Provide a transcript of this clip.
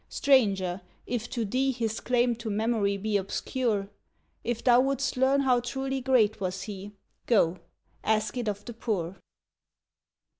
Stranger, if to thee His claim to memory be obscure, If thou wouldst learn how truly great was he, Go, ask it of the poor."